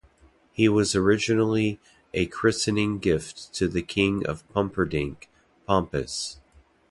He was originally a christening gift to the king of Pumperdink, Pompus.